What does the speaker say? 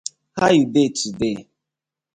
How you dey today?